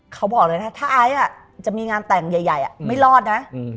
เขาบอกเลยนะถ้าไอซ์จะมีงานแต่งใหญ่ไม่รอดนะ